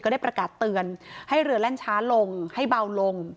ได้ประกาศเตือนให้เรือแล่นช้าลงให้เบาลง